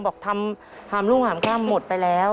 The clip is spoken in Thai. บอกทำหามรุ่งหามค่ำหมดไปแล้ว